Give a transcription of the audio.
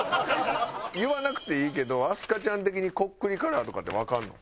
言わなくていいけど明日香ちゃん的にこっくりカラーとかってわかるの？